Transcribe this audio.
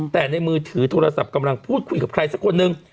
แต่ในมือถือโทรศัพท์กำลังพูดคุยกับใครสักคนนึง